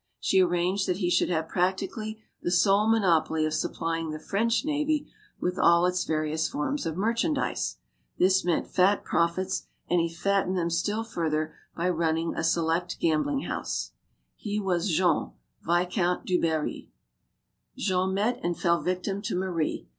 She arranged that he should have practically the sole monopoly of supplying the French navy with all its various forms of merchandise. This meant fat profits, and he fattened them still further by running a select gambling house. 182 STORIES OF THE SUPER WOMEN He was Jean, Vicomte du Barry. Jean met and fell victim to Marie.